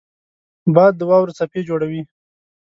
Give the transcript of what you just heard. باد د واورو څپې جوړوي